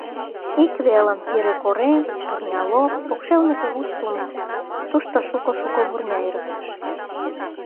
Ик велым — Пире корем, Турня лоп, покшелне кугу Сумпт, тушто шуко-шуко вурня эрыктыше.